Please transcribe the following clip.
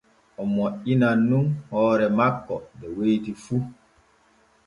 O moƴƴinan nun hoore makko de weeti fu.